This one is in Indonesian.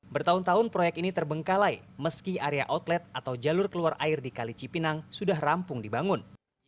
bertahun tahun proyek ini terbengkalai meski area outlet atau jalur keluar air di kali cipinang sudah rampung dibangun